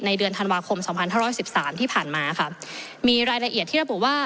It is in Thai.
ในเดือนธันวาคม๒๐๑๓ที่ผ่านมาค่ะมีรายละเอียดที่รับบุว่า